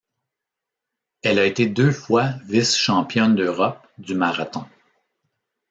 Elle a été deux fois vice-championne d'Europe du marathon.